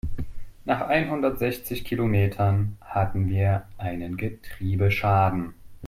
Nach einhundertsechzig Kilometern hatten wir einen Getriebeschaden.